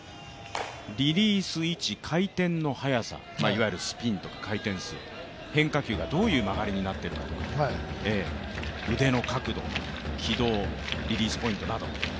リリース位置、回転の速さ、いわゆるスピンとか回転数変化球がどういう曲がりになっているのか、腕の角度、軌道、リリースポイントなど。